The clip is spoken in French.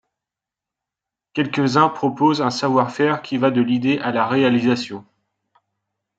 Quelques-uns proposent un savoir-faire qui va de l'idée à la réalisation.